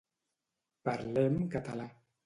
Parlem català.